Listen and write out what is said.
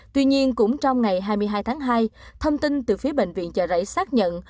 tuy nhiên cũng trong ngày hai mươi hai tháng hai thông tin từ phía bệnh viện chợ rẫy xác nhận